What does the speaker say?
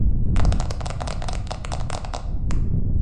ხელოვნურმა კუნძულმა „პალმის კუნძულის“ სახელწოდება ფორმის გამო მიიღო.